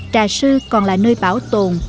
trà sư còn là nơi bảo tồn